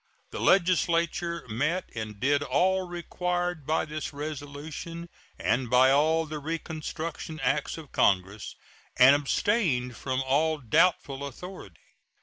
The legislature met and did all required by this resolution and by all the reconstruction acts of Congress, and abstained from all doubtful authority.